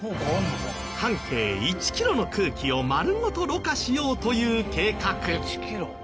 半径１キロの空気を丸ごとろ過しようという計画。